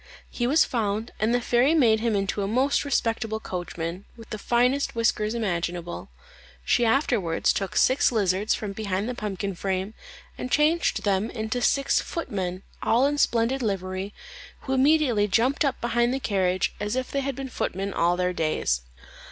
He was found, and the fairy made him into a most respectable coachman, with the finest whiskers imaginable. She afterwards took six lizards from behind the pumpkin frame, and changed them into six footmen, all in splendid livery, who immediately jumped up behind the carriage, as if they had been footmen all their days.